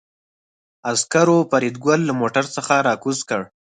عسکرو فریدګل له موټر څخه راکوز کړ